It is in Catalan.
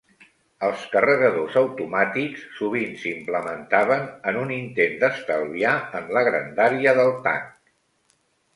Els carregadors automàtics sovint s'implementaven en un intent d'estalviar en la grandària del tanc.